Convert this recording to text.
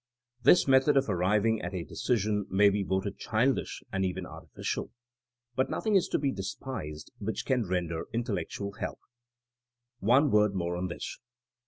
This method of arriving at a decision may be voted childish and even artificial, but nothing is to be despised which can render intellectual help. One word more on this.